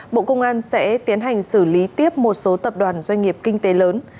bộ công an sẽ tiến hành xử lý tiếp một số tập đoàn doanh nghiệp kinh tế lớn